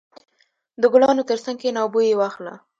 • د ګلانو تر څنګ کښېنه او بوی یې واخله.